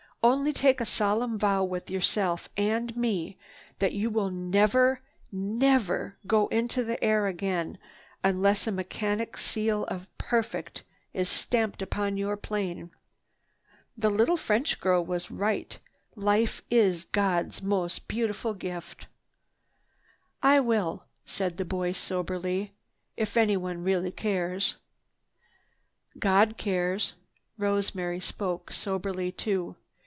Only take a solemn vow with yourself and me that you will never, never go into the air again unless a mechanic's seal of 'Perfect' is stamped upon your plane! The little French girl was right—life is God's most beautiful gift." "I will," said the boy soberly, "if anyone really cares." "God cares." Rosemary spoke soberly, too.